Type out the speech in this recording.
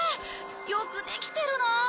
よくできてるな。